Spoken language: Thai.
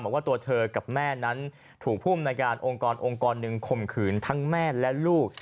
บอกว่าตัวเธอกับแม่นั้นถูกผู้อำนวยการองค์กรองค์กรหนึ่งข่มขืนทั้งแม่และลูก